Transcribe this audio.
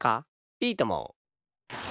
いいとも！